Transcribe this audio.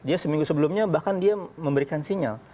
dia seminggu sebelumnya bahkan dia memberikan sinyal